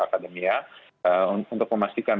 akademia untuk memastikan